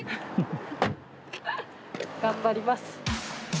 頑張ります。